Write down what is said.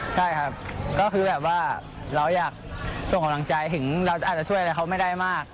ใช่ครับก็คือแบบว่าเราอยากส่งกำลังใจถึงเราอาจจะช่วยอะไรเขาไม่ได้มาก